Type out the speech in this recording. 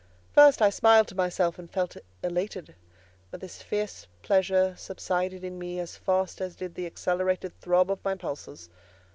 First, I smiled to myself and felt elate; but this fierce pleasure subsided in me as fast as did the accelerated throb of my pulses.